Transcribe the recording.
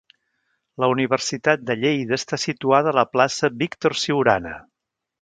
La Universitat de Lleida està situada a la Plaça Víctor Siurana.